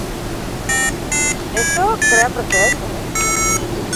Enbaxada britainiarra eta frantziarra ere lanera itzuli dira, baina sarrera mugatuta daukate.